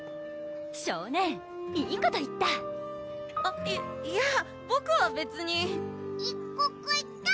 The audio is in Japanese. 少年いいこと言ったあっいいやボクは別にいいここいった！